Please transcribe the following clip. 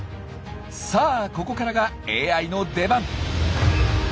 さあここからがＡＩの出番。